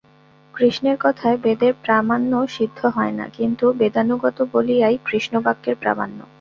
কৃষ্ণের কথায় বেদের প্রামাণ্য সিদ্ধ হয় না, কিন্তু বেদানুগত বলিয়াই কৃষ্ণবাক্যের প্রামাণ্য।